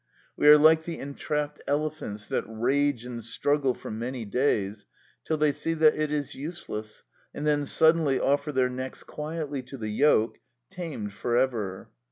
We are like the entrapped elephants, that rage and struggle for many days, till they see that it is useless, and then suddenly offer their necks quietly to the yoke, tamed for ever.